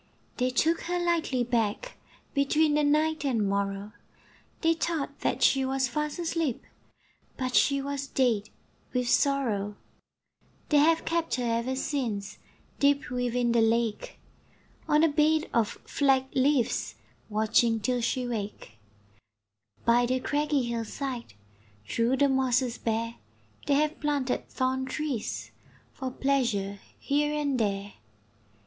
They took her lightly back, Between the night and morrow, They thought that she was fast asleep, But she was dead with sorrow. They have kept her ever since Deep within the lake, On a bed of flag leaves, Watching till she wake. By the craggy hill side, Through the mosses bare, They have planted thorn trees For pleasure here and there.